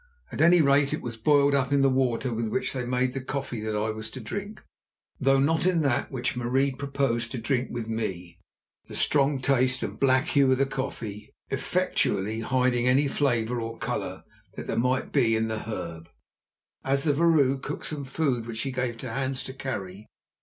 At any rate it was boiled up in the water with which they made the coffee that I was to drink, though not in that which Marie proposed to drink with me, the strong taste and black hue of the coffee effectually hiding any flavour or colour that there might be in the herb. Also the vrouw cooked some food which she gave to Hans to carry.